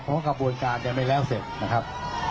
เพราะกระบวนการยังไม่แล้วเสร็จนะครับ